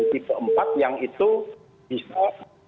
tipe empat yang itu bisa